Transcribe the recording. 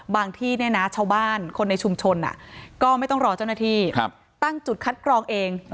ที่เนี่ยนะชาวบ้านคนในชุมชนก็ไม่ต้องรอเจ้าหน้าที่ตั้งจุดคัดกรองเอง